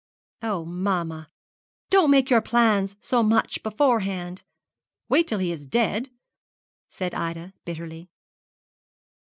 'Oh, mamma, don't make your plans so much beforehand! Wait till he is dead,' said Ida, bitterly.